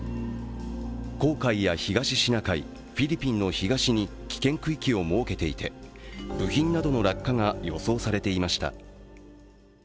黄海や東シナ海、フィリピンの東に危険区域を設けていて部品などの落下が予想されていました。